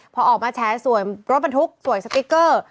พอออกมาแฉสวยรถบรรทุกสวยสติ๊กเกอร์